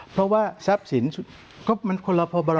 เพราะว่าทรัพย์สินก็มันคนละพบ